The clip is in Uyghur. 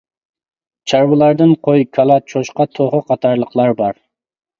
چارۋىلاردىن قوي، كالا، چوشقا، توخۇ قاتارلىقلار بار.